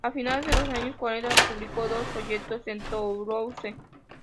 A finales de los años cuarenta publicó dos folletos en Toulouse.